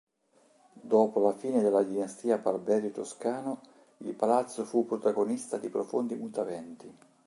Dopo la fine della dinastia Barberio Toscano, il palazzo fu protagonista di profondi mutamenti.